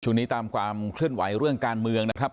ตามความเคลื่อนไหวเรื่องการเมืองนะครับ